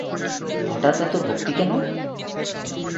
হঠাৎ এত ভক্তি কেন?